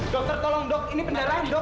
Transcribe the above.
dokter tolong dok ini pendarahan dok